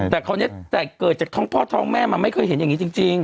แต่คราวนี้แต่เกิดจากท้องพ่อท้องแม่มันไม่เคยเห็นอย่างนี้จริง